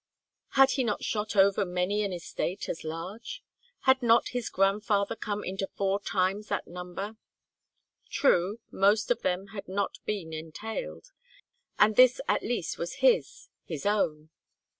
Had he not shot over many an estate as large? Had not his grandfather come into four times that number? True, most of them had not been entailed, and this at least was his, his own.